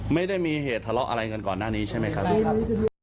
ไม่ได้มีเหตุทะเลาะอะไรกันก่อนหน้านี้ใช่ไหมครับ